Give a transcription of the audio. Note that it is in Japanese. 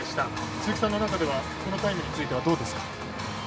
鈴木さんの中ではこのタイムについてはどうですか。